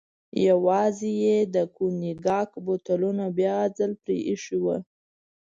یوازې یې د کونیګاک بوتلونه بیا ځل پرې ایښي و.